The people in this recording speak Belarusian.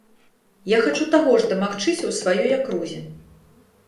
Я хачу таго ж дамагчыся ў сваёй акрузе.